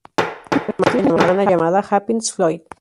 Tiene una hermana llamada Happiness Floyd.